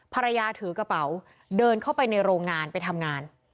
ภรรยาถือกระเป๋าเดินเข้าไปในโรงงานไปทำงาน